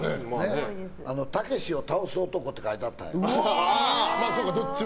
たけしを倒す男って書いてあったんや。